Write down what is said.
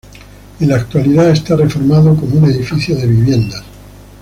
En la actualidad, está reformado como un edificio de viviendas.